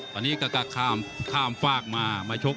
ตอนนี้กำฝากมาชก